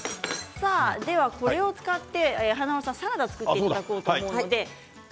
これを使って華丸さんにサラダを作っていただこうと思います。